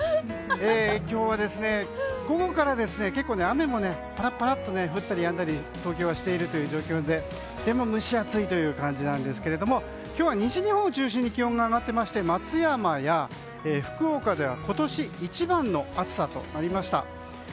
今日は、午後から結構雨もパラパラと降ったりやんだり東京はしている状況ででも蒸し暑い感じなんですが今日は西日本を中心に気温が上がっていまして松山、福岡では今年一番の暑さとなりました。